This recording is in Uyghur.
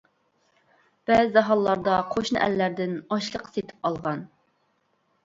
بەزى ھاللاردا قوشنا ئەللەردىن ئاشلىق سېتىپ ئالغان.